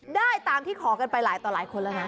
ได้ตามที่ขอกันไปหลายต่อหลายคนแล้วนะ